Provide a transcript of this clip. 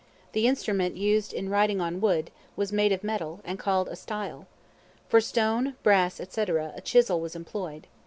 The instrument used in writing on wood, was made of metal, and called a style. For stone, brass, &c., a chisel was employed.